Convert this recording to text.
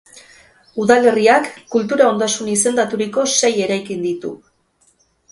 Udalerriak kultura ondasun izendaturiko sei eraikin ditu.